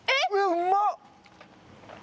うまっ。